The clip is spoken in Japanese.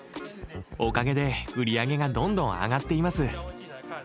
おかげで売り上げがどんどん上がっています。